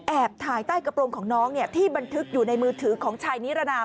ถ่ายใต้กระโปรงของน้องที่บันทึกอยู่ในมือถือของชายนิรนาม